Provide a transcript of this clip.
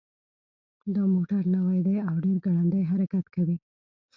دا موټر نوی ده او ډېر ګړندی حرکت کوي